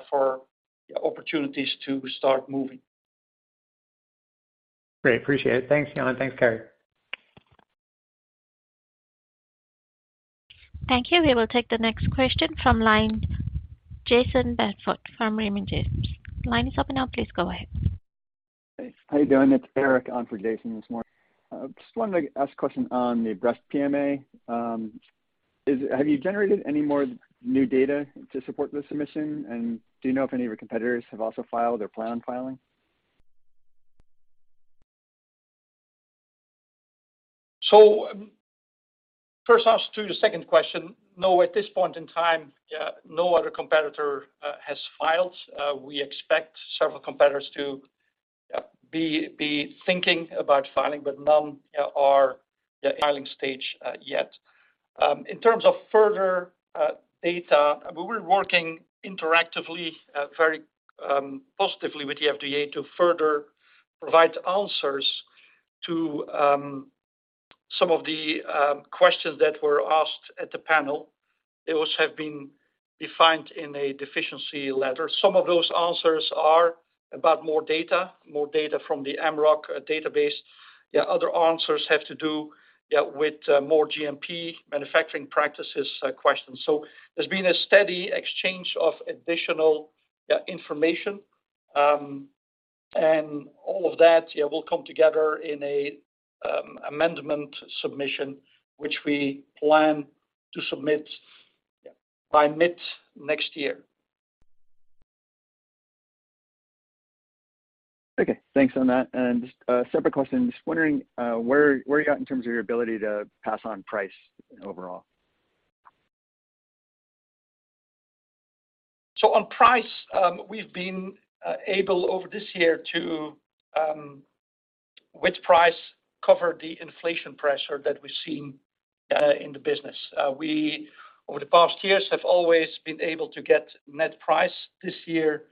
for opportunities to start moving. Great. Appreciate it. Thanks, Jan. Thanks, Carrie. Thank you. We will take the next question from line, Jayson Bedford from Raymond James. Line is open now, please go ahead. Hey. How you doing? It's Eric on for Jayson this morning. Just wanted to ask a question on the breast PMA. Have you generated any more new data to support the submission? Do you know if any of your competitors have also filed or plan on filing? First off, to your second question, no, at this point in time, no other competitor has filed. We expect several competitors to be thinking about filing, but none are in filing stage yet. In terms of further data, we've been working interactively, very positively with the FDA to further provide answers to some of the questions that were asked at the panel. Those have been defined in a deficiency letter. Some of those answers are about more data from the MROC database. Other answers have to do with more GMP manufacturing practices questions. There's been a steady exchange of additional information. All of that will come together in an amendment submission, which we plan to submit by mid next year. Okay. Thanks on that. Just a separate question, just wondering where you're at in terms of your ability to pass on price overall? On price, we've been able over this year to with price cover the inflation pressure that we've seen in the business. We over the past years have always been able to get net price. This year,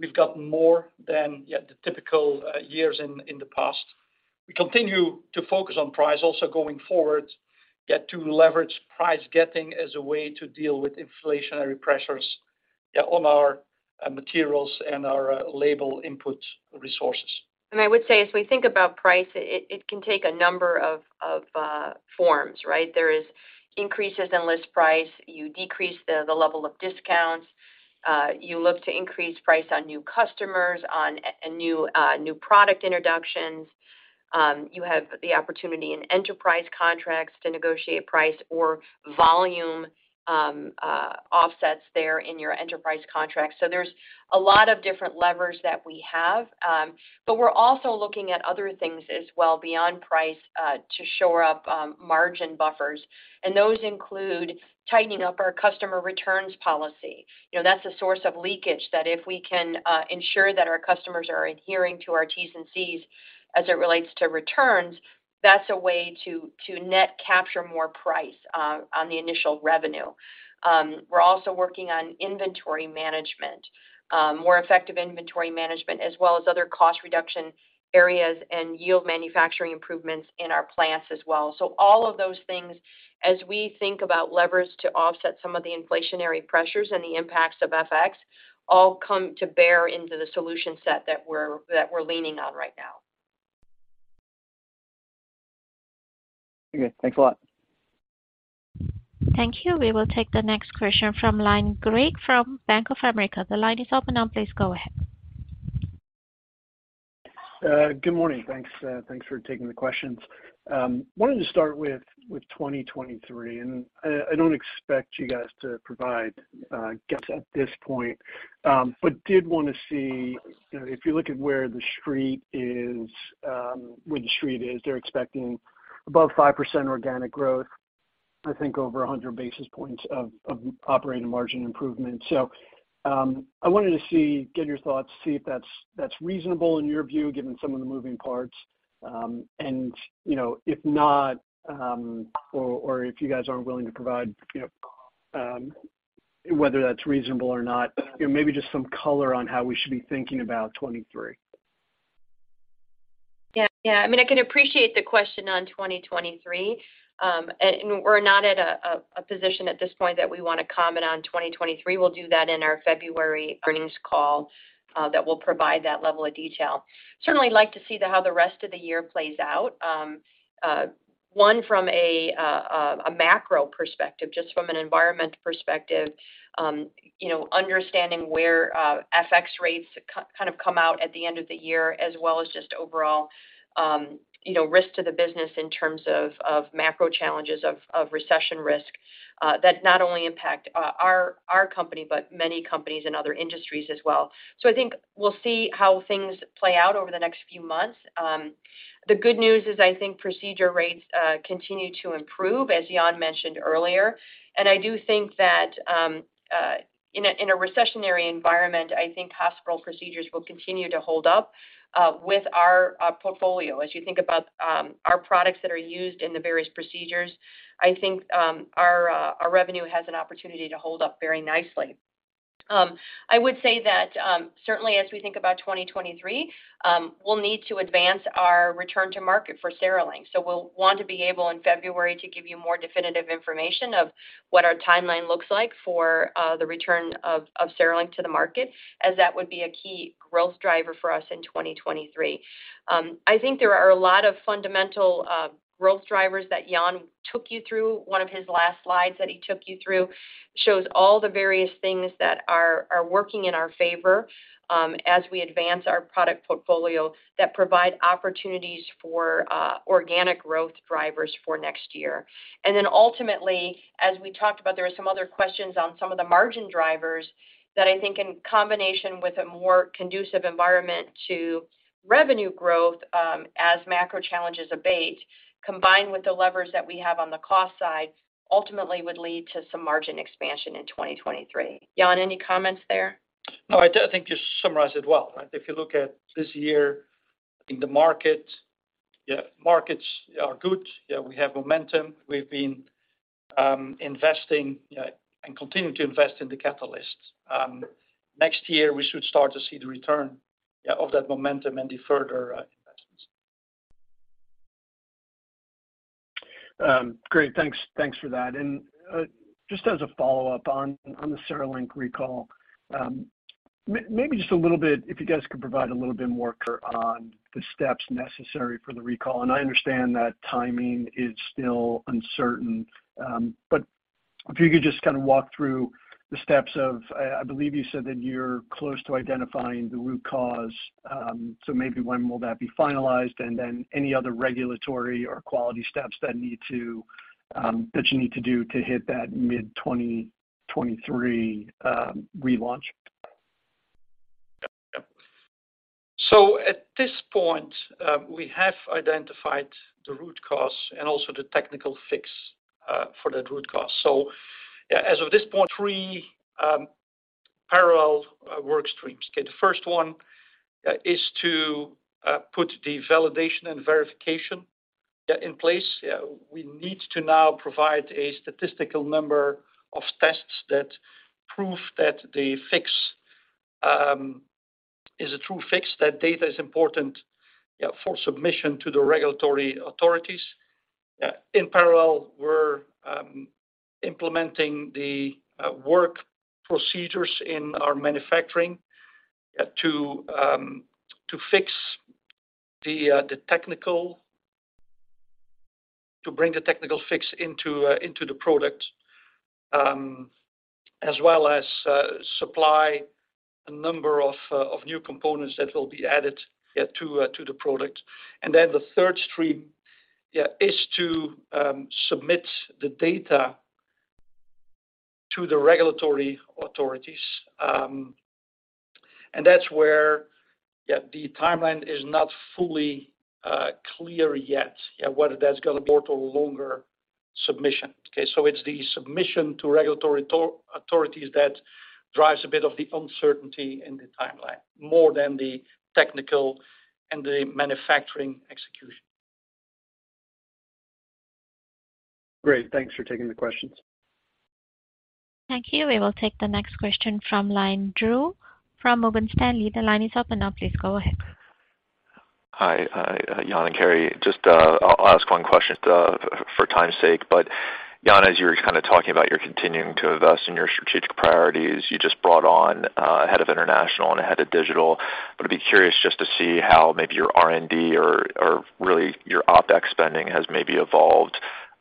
we've gotten more than the typical years in the past. We continue to focus on price also going forward to leverage price getting as a way to deal with inflationary pressures on our materials and our labor input resources. I would say as we think about price, it can take a number of forms, right? There is increases in list price. You decrease the level of discounts. You look to increase price on new customers, on a new product introductions. You have the opportunity in enterprise contracts to negotiate price or volume offsets there in your enterprise contracts. So there's a lot of different levers that we have. But we're also looking at other things as well beyond price to shore up margin buffers. Those include tightening up our customer returns policy. You know, that's a source of leakage that if we can ensure that our customers are adhering to our T's and C's as it relates to returns, that's a way to net capture more price on the initial revenue. We're also working on inventory management, more effective inventory management, as well as other cost reduction areas and yield manufacturing improvements in our plants as well. All of those things, as we think about levers to offset some of the inflationary pressures and the impacts of FX, all come to bear into the solution set that we're leaning on right now. Okay. Thanks a lot. Thank you. We will take the next question from line, Greg from Bank of America. The line is open now. Please go ahead. Good morning. Thanks for taking the questions. Wanted to start with 2023, and I don't expect you guys to provide guidance at this point. But did want to see, you know, if you look at where the street is, they're expecting above 5% organic growth, I think over 100 basis points of operating margin improvement. I wanted to see, get your thoughts, see if that's reasonable in your view, given some of the moving parts. And, you know, if not, or if you guys aren't willing to provide, you know, whether that's reasonable or not, you know, maybe just some color on how we should be thinking about 2023. Yeah. Yeah. I mean, I can appreciate the question on 2023. We're not at a position at this point that we wanna comment on 2023. We'll do that in our February earnings call that will provide that level of detail. Certainly like to see how the rest of the year plays out. From a macro perspective, just from an environment perspective, you know, understanding where FX rates kind of come out at the end of the year as well as just overall, you know, risk to the business in terms of macro challenges of recession risk that not only impact our company, but many companies in other industries as well. I think we'll see how things play out over the next few months. The good news is I think procedure rates continue to improve as Jan mentioned earlier. I do think that in a recessionary environment, I think hospital procedures will continue to hold up with our portfolio. As you think about our products that are used in the various procedures, I think our revenue has an opportunity to hold up very nicely. I would say that certainly as we think about 2023, we'll need to advance our return to market for CereLink. We'll want to be able in February to give you more definitive information of what our timeline looks like for the return of CereLink to the market, as that would be a key growth driver for us in 2023. I think there are a lot of fundamental growth drivers that Jan took you through. One of his last slides that he took you through shows all the various things that are working in our favor, as we advance our product portfolio that provide opportunities for organic growth drivers for next year. Ultimately, as we talked about, there are some other questions on some of the margin drivers that I think in combination with a more conducive environment to revenue growth, as macro challenges abate, combined with the levers that we have on the cost side, ultimately would lead to some margin expansion in 2023. Jan, any comments there? No, I think you summarized it well, right? If you look at this year in the market, yeah, markets are good. Yeah, we have momentum. We've been investing and continuing to invest in the catalysts. Next year, we should start to see the return, yeah, of that momentum and the further investments. Great. Thanks for that. Just as a follow-up on the CereLink recall, maybe just a little bit, if you guys could provide a little bit more on the steps necessary for the recall. I understand that timing is still uncertain, but if you could just kinda walk through the steps. I believe you said that you're close to identifying the root cause, so maybe when will that be finalized? Then any other regulatory or quality steps that you need to do to hit that mid-2023 relaunch. At this point, we have identified the root cause and also the technical fix for that root cause. As of this point, Three parallel work streams. Okay, the first one is to put the validation and verification in place. We need to now provide a statistical number of tests that prove that the fix is a true fix. That data is important for submission to the regulatory authorities. In parallel, we're implementing the work procedures in our manufacturing to bring the technical fix into the product as well as supply a number of new components that will be added to the product. Then the third stream is to submit the data to the regulatory authorities. That's where the timeline is not fully clear yet, whether that's gonna go to longer submission. It's the submission to regulatory authorities that drives a bit of the uncertainty in the timeline more than the technical and the manufacturing execution. Great. Thanks for taking the questions. Thank you. We will take the next question from line Drew from Morgan Stanley. The line is open now. Please go ahead. Hi. Jan and Carrie, just, I'll ask one question, for time's sake. Jan, as you were kinda talking about you're continuing to invest in your strategic priorities, you just brought on head of international and head of digital. I'd be curious just to see how maybe your R&D or really your OpEx spending has maybe evolved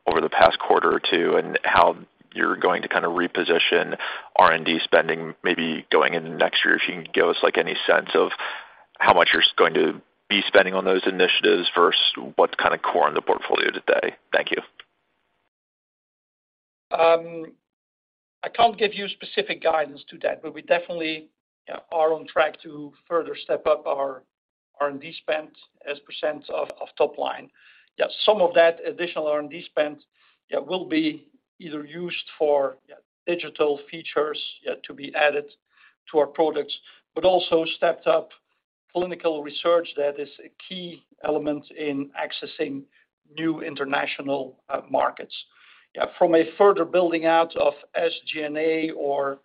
over the past quarter or two, and how you're going to kinda reposition R&D spending maybe going into next year. If you can give us, like, any sense of how much you're going to be spending on those initiatives versus what's kinda core in the portfolio today. Thank you. I can't give you specific guidance to that, but we definitely are on track to further step up our R&D spend as percent of top line. Some of that additional R&D spend will be either used for digital features to be added to our products, but also stepped up clinical research that is a key element in accessing new international markets. From a further building out of SG&A or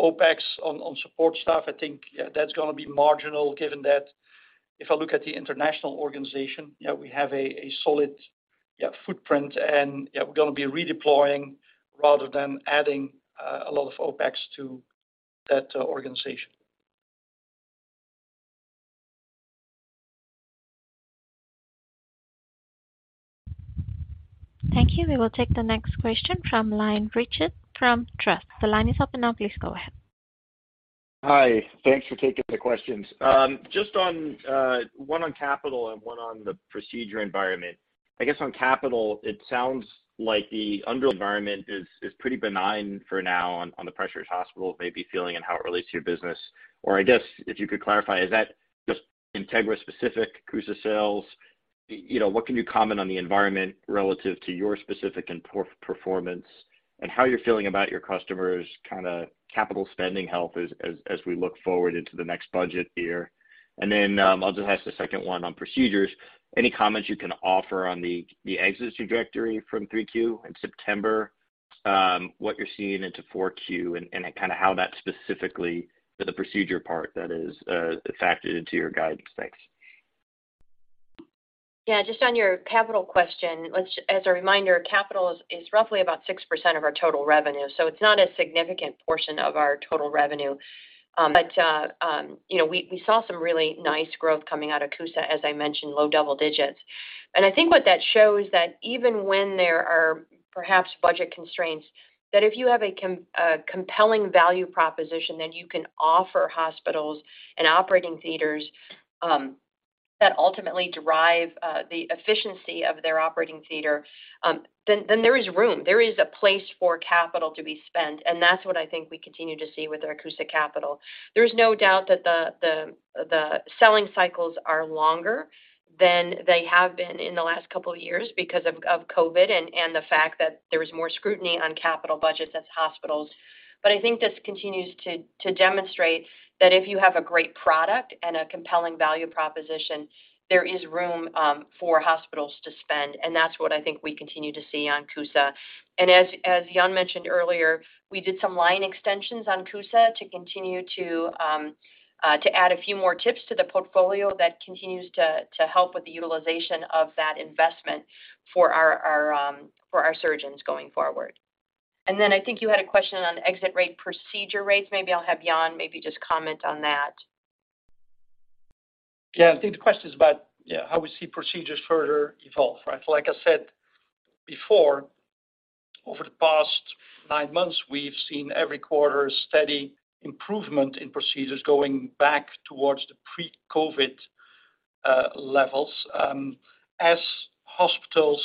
OpEx on support staff, I think that's gonna be marginal given that if I look at the international organization, we have a solid footprint and we're gonna be redeploying rather than adding a lot of OpEx to that organization. Thank you. We will take the next question from line, Richard from Truist. The line is open now. Please go ahead. Hi. Thanks for taking the questions. Just one on capital and one on the procedure environment. I guess on capital it sounds like the cap environment is pretty benign for now on the pressures hospitals may be feeling and how it relates to your business. Or I guess if you could clarify, is that just Integra-specific CUSA sales? You know, what can you comment on the environment relative to your specific implant performance and how you're feeling about your customers' kinda capital spending health as we look forward into the next budget year? I'll just ask the second one on procedures. Any comments you can offer on the exit trajectory from Q3 in September, what you're seeing into Q4 and kinda how that specifically for the procedure part that is factored into your guidance? Thanks. Yeah. Just on your capital question, as a reminder, capital is roughly about 6% of our total revenue, so it's not a significant portion of our total revenue. You know, we saw some really nice growth coming out of CUSA, as I mentioned, low double digits. I think what that shows that even when there are perhaps budget constraints, that if you have a compelling value proposition that you can offer hospitals and operating theaters, that ultimately drive the efficiency of their operating theater, then there is room. There is a place for capital to be spent, and that's what I think we continue to see with our CUSA capital. There's no doubt that the selling cycles are longer than they have been in the last couple of years because of COVID and the fact that there is more scrutiny on capital budgets at hospitals. I think this continues to demonstrate that if you have a great product and a compelling value proposition, there is room for hospitals to spend, and that's what I think we continue to see on CUSA. As Jan mentioned earlier, we did some line extensions on CUSA to continue to add a few more tips to the portfolio that continues to help with the utilization of that investment for our surgeons going forward. Then I think you had a question on exit rate, procedure rates. Maybe I'll have Jan just comment on that. I think the question is about how we see procedures further evolve, right? Like I said before, over the past nine months, we've seen every quarter a steady improvement in procedures going back towards the pre-COVID levels. As hospitals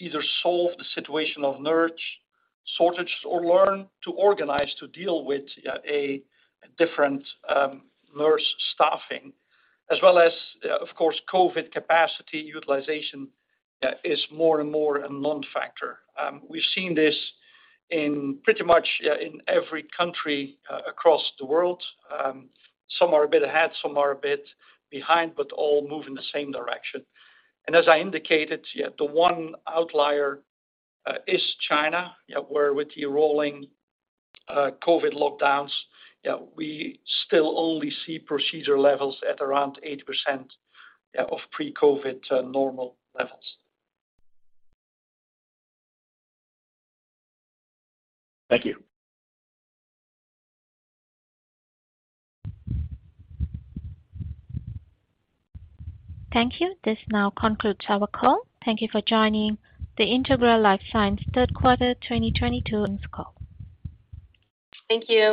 either solve the situation of nurse shortage or learn to organize to deal with a different nurse staffing. As well as, of course, COVID capacity utilization is more and more a non-factor. We've seen this in pretty much in every country across the world. Some are a bit ahead, some are a bit behind, but all move in the same direction. As I indicated, the one outlier is China, where with the rolling COVID lockdowns, we still only see procedure levels at around 8% of pre-COVID normal levels. Thank you. Thank you. This now concludes our call. Thank you for joining the Integra LifeSciences Third Quarter 2022 Earnings Call. Thank you.